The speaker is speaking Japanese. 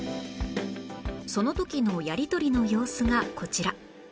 その時のやりとりの様子がこちら